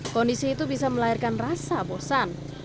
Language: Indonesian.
kondisi itu bisa melahirkan rasa bosan